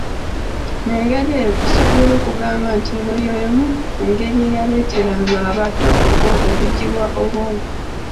Mu ngeri eyo tusobola okugamba nti eno y’emu ku ngeri eyaleeteranga abato okwogiwa obwongo.